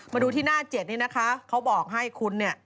มาดูที่หน้า๗นี่นะคะเขาบอกให้คุณเนี่ย